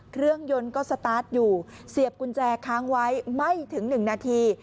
เครื่องยนต์ก็สตาร์ทอยู่เสียบกุญแจค้างไว้ไม่ถึง๑นาที